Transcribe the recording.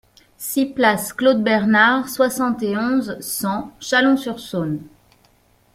six place Claude Bernard, soixante et onze, cent, Chalon-sur-Saône